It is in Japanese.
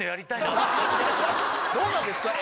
どうなんですか？